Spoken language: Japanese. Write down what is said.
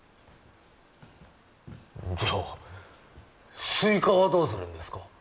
じゃあスイカはどうするんですか？